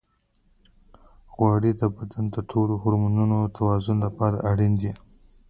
غوړې د بدن د ټولو هورمونونو د توازن لپاره اړینې دي.